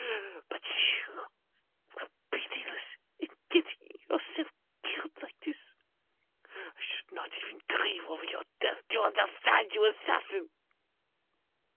But you were pitiless in getting yourself killed like this, I shall not even grieve over your death, do you understand, you assassin?"